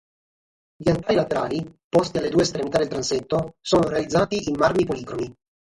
Gli altari laterali, posti alle due estremità del transetto, sono realizzati in marmi policromi.